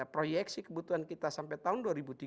proyeksi kebutuhan kita sampai tahun dua ribu tiga puluh